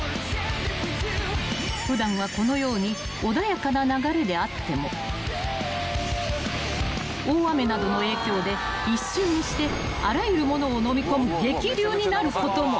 ［普段はこのように穏やかな流れであっても大雨などの影響で一瞬にしてあらゆるものをのみ込む激流になることも］